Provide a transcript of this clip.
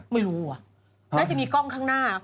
ไม่รู้อ่ะน่าจะมีกล้องข้างหน้า